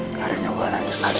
gak ada yang mau nangis lagi